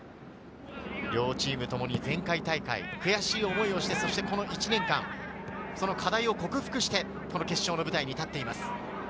前回大会、悔しい思いをして、この１年間、課題を克服してこの決勝の舞台に立っています。